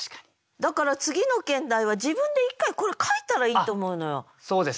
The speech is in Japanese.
だから次の兼題は自分で一回これを書いたらいいと思うのよ。